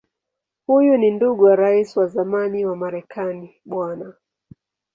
Huyu ni ndugu wa Rais wa zamani wa Marekani Bw.